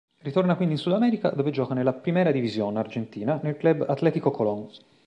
Ritorna quindi in Sudamerica dove gioca nella Primera División Argentina nel Club Atlético Colón.